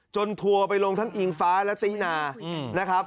ทัวร์ไปลงทั้งอิงฟ้าและตินานะครับ